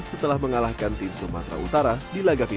setelah mengalahkan tim sumatra utara di laga vita